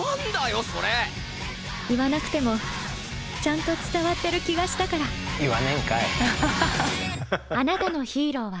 言わなくてもちゃんと伝わってる気がしたから言わねえんかい！